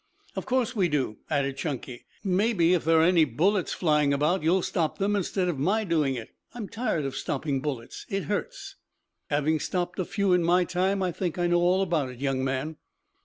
"Of course we do," added Chunky. "Maybe if there are any bullets flying about you will stop them instead of my doing it. I'm tired of stopping bullets. It hurts." "Having stopped a few in my time I think I know all about it, young man."